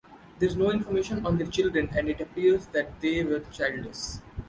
There is no information on their children and it appears that they were childless.